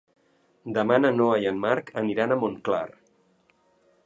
Demà na Noa i en Marc aniran a Montclar.